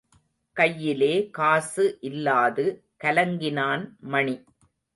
கையிலே காசு இல்லாது கலங்கினான் மணி.